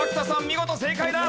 見事正解だ！